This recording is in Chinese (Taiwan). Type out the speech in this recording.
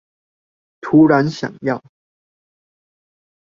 突然想要